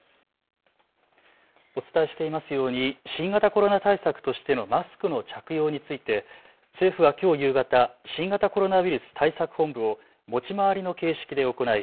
お伝えしていますように新型コロナ対策としてのマスクの着用について政府はきょう夕方、新型コロナウイルス対策本部を持ち回りの形式で行い